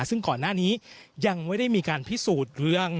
ซึ่งก่อนหน้านี้ยังไม่ได้มีการพิสูจน์เรื่อง